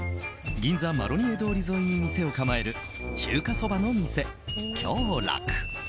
銀座マロニエ通り沿いに店を構える中華そばの店、共楽。